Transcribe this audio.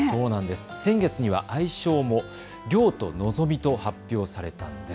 先月には愛称もりょうとのぞみと発表されたんです。